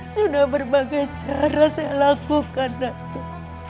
sudah berbagai cara saya lakukan waktu